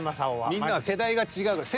みんなは世代が違うから。